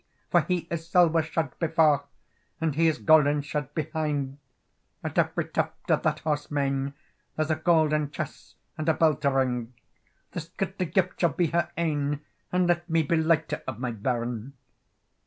"For he is silver shod before, And he is gowden shod behind; At every tuft of that horse mane There's a golden chess, and a bell to ring. This gudely gift shall be her ain, And let me be lighter of my bairn."